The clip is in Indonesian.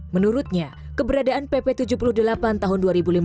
menurutnya keberadaan pp tujuh puluh delapan tahun dua ribu lima belas